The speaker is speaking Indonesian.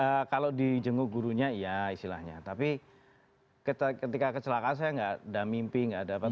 jadi kalau di jenguk gurunya ya istilahnya tapi ketika kecelakaan saya enggak ada mimpi enggak ada apa apa